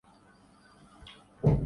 چھلے اڑتالیس سالوں میں فوج